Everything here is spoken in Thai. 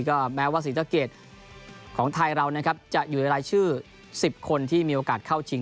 ก็แม้ว่าศรีสะเกดของไทยเรานะครับจะอยู่ในรายชื่อ๑๐คนที่มีโอกาสเข้าชิง